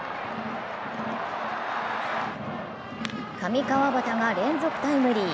上川畑が連続タイムリー。